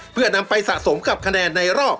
เพื่อนำไปสะสมกับคะแนนในรอบ